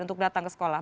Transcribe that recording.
untuk datang ke sekolah